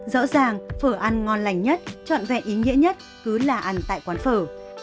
rõ ràng phở ăn ngon lành nhất trọn vẹn ý nghĩa nhất cứ là ăn tại quán phở